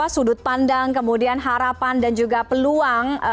sudut pandang kemudian harapan dan juga peluang